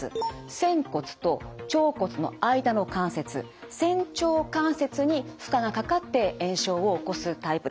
仙骨と腸骨の間の関節仙腸関節に負荷がかかって炎症を起こすタイプです。